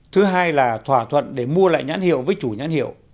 thứ hai là thỏa thuận để mua lại nhãn hiệu với chủ nhãn hiệu